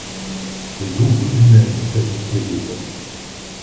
Des ombres humaines s'agitaient devant.